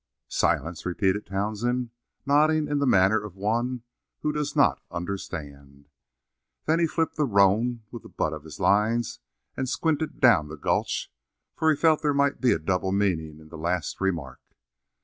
"Silence," repeated Townsend, nodding in the manner of one who does not understand. Then he flipped the roan with the butt of his lines and squinted down the gulch, for he felt there might be a double meaning in the last remark.